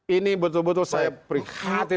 ini betul betul saya prihatin